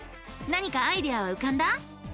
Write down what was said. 何かアイデアはうかんだ？